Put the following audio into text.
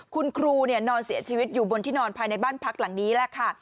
คุณครูนอนเสียชีวิตอยู่บนที่นอนภายในบ้านพักหลังนี้แหละค่ะ